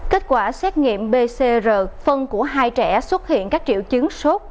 kết quả xét nghiệm pcr phân của hai trẻ xuất hiện các triệu chứng sốt